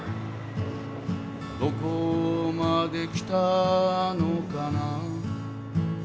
「どこまで来たのかな」